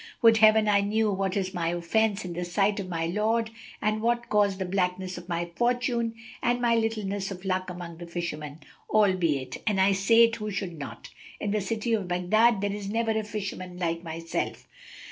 Would Heaven I knew what is my offence in the sight of my Lord and what caused the blackness of my fortune and my littleness of luck among the fishermen, albeit (and I say it who should not) in the city of Baghdad there is never a fisherman like myself."